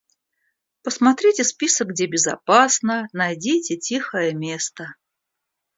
Посмотрите список, где безопасно, найдите тихое место.